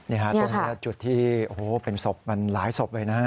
ตรงนี้จุดที่โอ้โหเป็นศพมันหลายศพเลยนะ